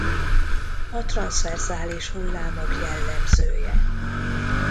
A transzverzális hullámok jellemzője.